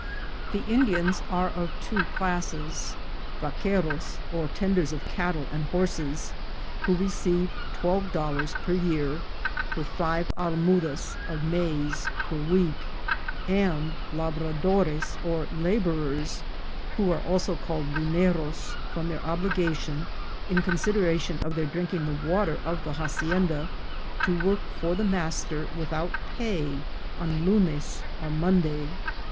The Indians are of two classes : vaceros, or tenders of cattle and horses, who receive twelve dollars per year, with five almudas of maize per week ; and labradores or labour ers, who are also called Luneros, from their obligation, in consideration of their drinking the water of the ha cienda, to work for the master without pay on Limes or Monday.